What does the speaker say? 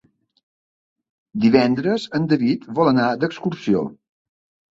Divendres en David vol anar d'excursió.